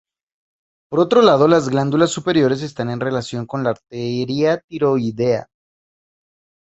Por otro lado las glándulas superiores están en relación con la arteria tiroidea superior.